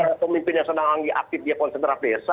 pemimpin yang senang lagi aktif dia konsentrasi desa